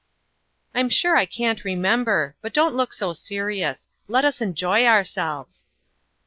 "I'm sure I can't remember. But don't look so serious. Let us enjoy ourselves."